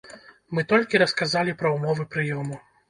Мы толькі расказалі пра ўмовы прыёму.